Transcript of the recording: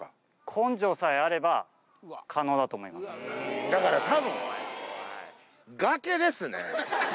根性さえあれば、可能だと思だからたぶん、崖ですね。